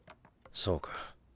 そうか。